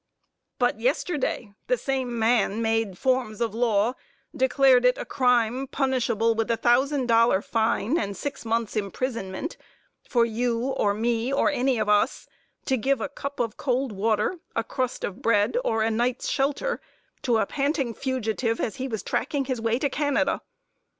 But, yesterday, the same man made forms of law, declared it a crime punishable with $1,000 fine and six months' imprisonment, for you, or me, or any of us, to give a cup of cold water, a crust of bread, or a night's shelter to a panting fugitive as he was tracking his way to Canada.